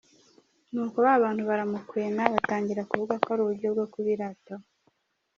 Ni uko ba bantu baramukwena, batangira kuvuga ko ari uburyo bwo kubirataho.